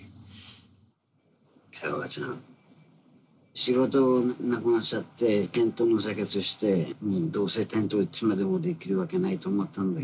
仕事なくなっちゃってテントの生活してどうせテントいつまでもできるわけないと思ったんだけど。